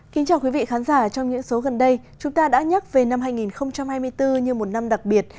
kính chào quý vị khán giả trong những số gần đây chúng ta đã nhắc về năm hai nghìn hai mươi bốn như một năm đặc biệt